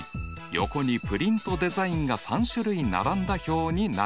横にプリントデザインが３種類並んだ表になるね。